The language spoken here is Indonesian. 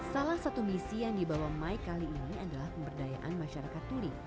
salah satu misi yang dibawa mike kali ini adalah pemberdayaan masyarakat tuli